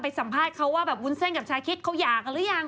สัมภาษณ์เขาว่าแบบวุ้นเส้นกับชาคิดเขาอยากหรือยัง